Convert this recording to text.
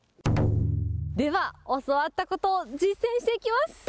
では教わったことを実践していきます。